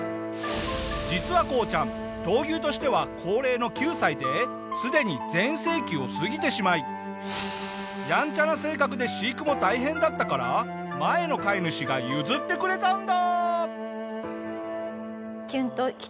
実はこうちゃん闘牛としては高齢の９歳ですでに全盛期を過ぎてしまいやんちゃな性格で飼育も大変だったから前の飼い主が譲ってくれたんだ！